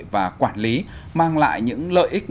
và quản lý mang lại những lợi ích